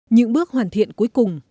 những bước hoàn thiện cuối cùng